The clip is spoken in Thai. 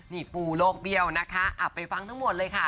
นี่ปูโลกเบี้ยวนะคะไปฟังทั้งหมดเลยค่ะ